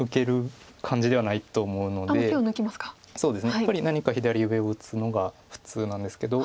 やっぱり何か左上を打つのが普通なんですけど。